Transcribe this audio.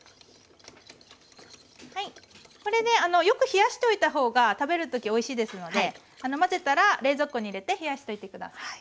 はいこれでよく冷やしておいた方が食べる時おいしいですので混ぜたら冷蔵庫に入れて冷やしておいて下さい。